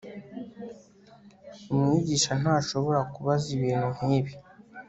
umwigisha ntashobora kubaza ibintu nkibi